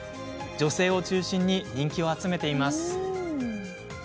女性を中心に人気を集めています。